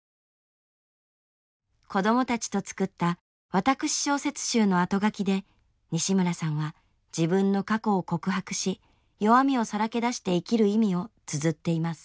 子どもたちと作った私小説集の後書きで西村さんは自分の過去を告白し弱みをさらけ出して生きる意味をつづっています。